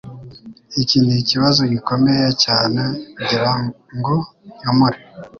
Iki nikibazo gikomeye cyane kugirango nkemure.